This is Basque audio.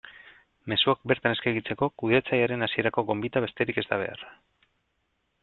Mezuak bertan eskegitzeko kudeatzailearen hasierako gonbita besterik ez da behar.